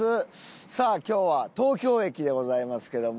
さあ今日は東京駅でございますけども。